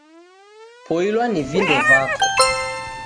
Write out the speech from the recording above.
Poilwa ni vindo vako.